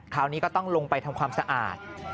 คราวนี้ก็ต้องลงไปทำความสะอาด